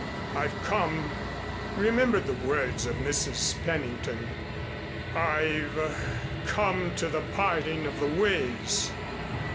I've come," he remembered the words of Mrs. Pennington, "I've come to the parting of the ways.